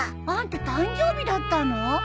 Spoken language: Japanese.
あんた誕生日だったの？